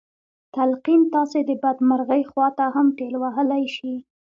تلقين تاسې د بدمرغۍ خواته هم ټېل وهلی شي.